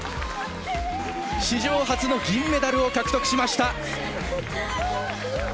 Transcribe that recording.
史上初の銀メダルを獲得しました！